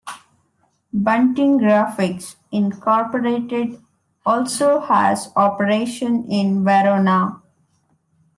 Bunting Graphics, Incorporated also has operation in Verona.